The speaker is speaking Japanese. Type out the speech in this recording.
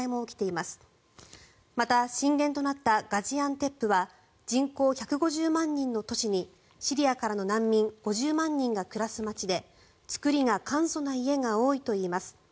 また震源となったガジアンテップは人口１５０万人の都市にシリアからの難民５０万人が暮らす街で造りが簡素な家が多いといいます。